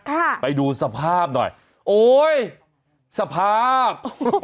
ไปดูสภาพหน่อยโอ๊ยสภาพ